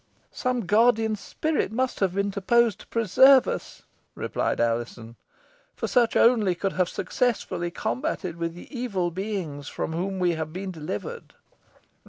"Some guardian spirit must have interposed to preserve us," replied Alizon; "for such only could have successfully combated with the evil beings from whom we have been delivered."